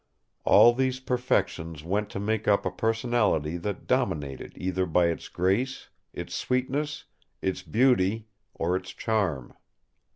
All these perfections went to make up a personality that dominated either by its grace, its sweetness, its beauty, or its charm.